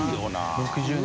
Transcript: ６０年。